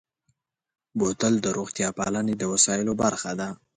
بوتل د روغتیا پالنې د وسایلو برخه ده.